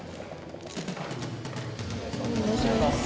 お願いします。